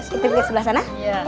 kita liat sebelah sana